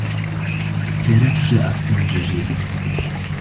Stêrek ji esman rijiya